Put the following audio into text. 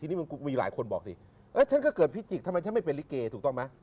ทีนี้มันมีหลายคนบอกสิฉันก็เกิดพิจิกทำไมฉันไม่เป็นลิเกถูกต้องไหม